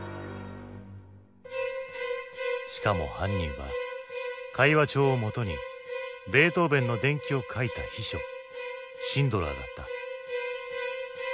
しかも犯人は会話帳をもとにベートーヴェンの伝記を書いた秘書シンドラーだった。